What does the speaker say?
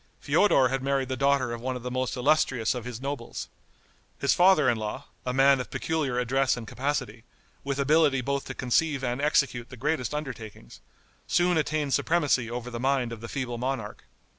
Feodor had married the daughter of one of the most illustrious of his nobles. His father in law, a man of peculiar address and capacity, with ability both to conceive and execute the greatest undertakings, soon attained supremacy over the mind of the feeble monarch.